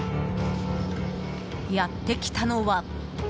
やってきたのは。